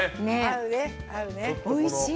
おいしい！